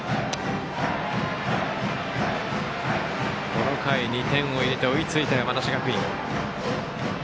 この回、２点を入れて追いついた、山梨学院。